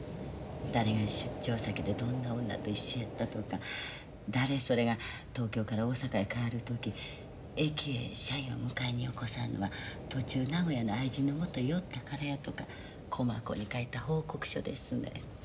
誰が出張先でどんな女と一緒やったとか誰それが東京から大阪へ帰る時駅へ社員を迎えによこさんのは途中名古屋の愛人のもとへ寄ったからやとか細こうに書いた報告書ですねん。